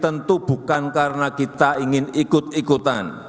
tentu bukan karena kita ingin ikut ikutan